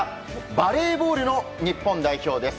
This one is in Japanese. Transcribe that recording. バレーボールの日本代表です。